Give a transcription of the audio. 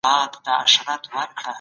د لويي جرګې غړي ولي ملي جامې اغوندي؟